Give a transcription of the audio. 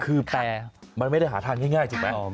คือมันมาไม่ได้หาทานง่ายจริงไหม